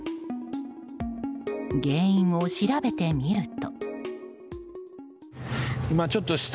原因を調べてみると。